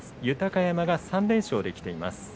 豊山３連勝できています。